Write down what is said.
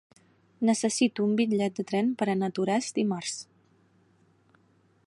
Necessito un bitllet de tren per anar a Toràs dimarts.